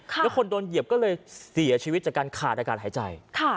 แล้วคนโดนเหยียบก็เลยเสียชีวิตจากการขาดอากาศหายใจ